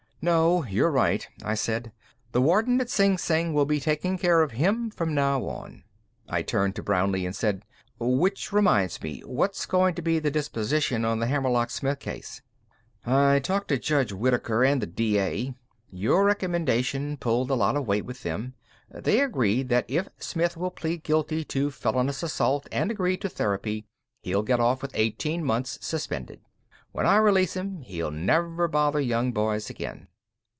"No, you're right," I said. "The warden at Sing Sing will be taking care of him from now on." I turned to Brownlee and said: "Which reminds me what's going to be the disposition on the Hammerlock Smith case?" "I talked to Judge Whittaker and the D.A. Your recommendation pulled a lot of weight with them. They agreed that if Smith will plead guilty to felonious assault and agree to therapy, he'll get off with eighteen months, suspended. When I release him, he'll never bother young boys again."